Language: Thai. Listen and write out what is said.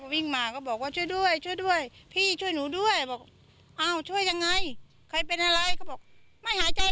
วิ่งมาก็บอกว่าช่วยด้วยช่วยด้วยพี่ช่วยหนูด้วยบอกอ้าวช่วยยังไงใครเป็นอะไรเขาบอกไม่หายใจ